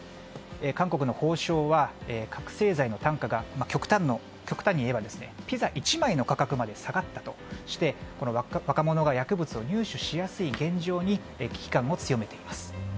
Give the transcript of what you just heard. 韓国の法相は覚醒剤の単価が極端に言えばピザ１枚の価格まで下がったとして若者が薬物を入手しやすい現状に危機感を強めています。